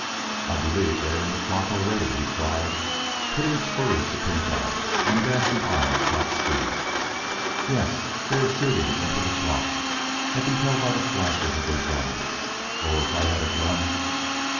"I believe they are in the flock already," he cried, putting spurs to Pink eye and dashing on at top speed. "Yes, they are shooting into the flock. I can tell by the flashes of their guns. Oh, if I had a gun!"